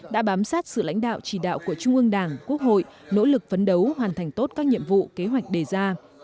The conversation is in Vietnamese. đã bám sát sự lãnh đạo chỉ đạo của trung ương đảng quốc hội nỗ lực phấn đấu hoàn thành tốt các nhiệm vụ kế hoạch đề ra